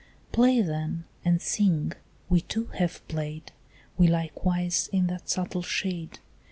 Play then and sing; we too have played, We likewise, in that subtle shade.